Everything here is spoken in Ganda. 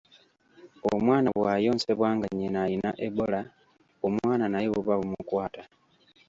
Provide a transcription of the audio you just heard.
Omwana bw'ayonsebwa nga nnyina ayina Ebola, omwana naye buba bumukwata